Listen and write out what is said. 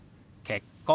「結婚」。